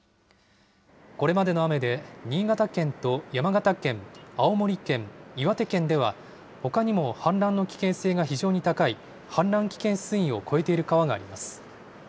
これまでの雨で、新潟県と山形県、青森県、岩手県では、ほかにも氾濫の危険性が非常に高い、氾濫危険水位を超えている川があります。